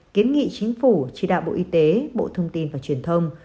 kiến nghị chính phủ chỉ đạo bộ y tế bộ thông tin và truyền thông